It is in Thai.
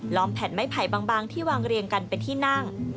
แผ่นไม้ไผ่บางที่วางเรียงกันเป็นที่นั่ง